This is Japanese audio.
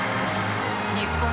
日本